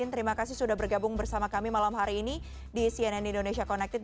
terima kasih sudah bergabung bersama kami malam hari ini di cnn indonesia connected